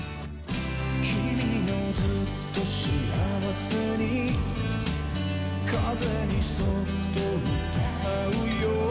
「君よずっと幸せに風にそっと歌うよ」